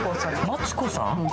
マツコさん？